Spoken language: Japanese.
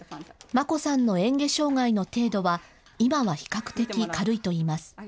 真心さんのえん下障害の程度は今は比較的軽いといいます。